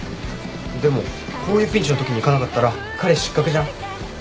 でもこういうピンチのときに行かなかったら彼氏失格じゃん。